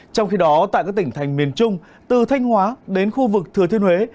trong khi đó tại các tỉnh thành miền trung từ thanh hóa đến khu vực thừa thiên huế